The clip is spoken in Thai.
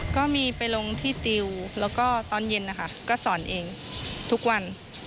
ก็มีไปลงที่ติวแล้วก็ตอนเย็นนะคะก็สอนเองทุกวัน